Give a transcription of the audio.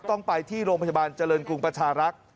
ต้องไปที่โรงพยาบาลเจริญกรุงประชารักษ์